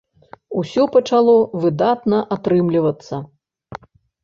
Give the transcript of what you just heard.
Усё пачало выдатна атрымлівацца.